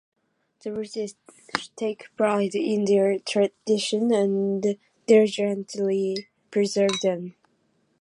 The British take pride in their traditions and diligently preserve them.